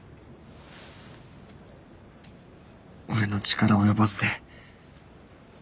俺の力及ばずで。